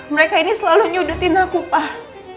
mereka ini selalu nyudutin aku pak